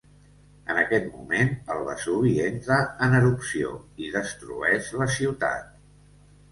En aquest moment el Vesuvi entra en erupció, i destrueix la ciutat.